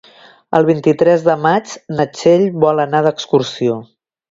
El vint-i-tres de maig na Txell vol anar d'excursió.